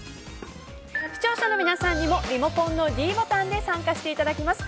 視聴者の皆さんにもリモコンのｄボタンで参加していただきます。